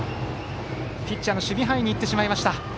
ピッチャーの守備範囲に行ってしまいました。